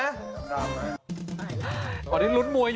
ตอนนี้ลุ้นมวยอยู่